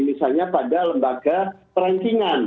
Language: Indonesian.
misalnya pada lembaga perankingan